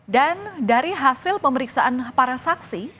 dan dari hasil pemeriksaan para saksi